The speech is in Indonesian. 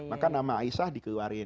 maka nama aisyah dikeluarin